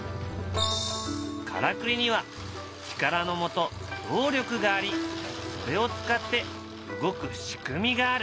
からくりには「力のもと・動力」がありそれを使って動く仕組みがある。